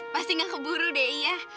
pasti gak keburu deh ya